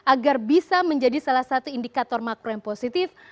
agar bisa menjadi salah satu indikator makro yang positif